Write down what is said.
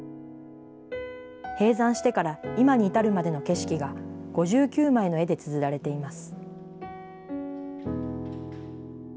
閉山してから今に至るまでの景色が５９枚の絵でつづられています。